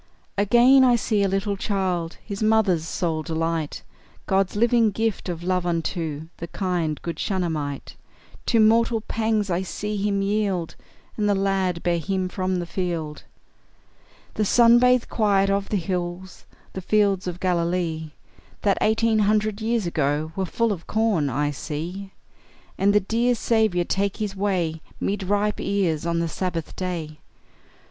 Again, I see a little child, His mother's sole delight, God's living gift of love unto The kind, good Shunammite; To mortal pangs I see him yield, And the lad bear him from the field. The sun bathed quiet of the hills, The fields of Galilee, That eighteen hundred years ago Were full of corn, I see; And the dear Saviour take his way 'Mid ripe ears on the Sabbath day.